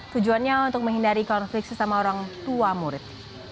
tujuannya untuk menghindari konflik sesama orang tua murid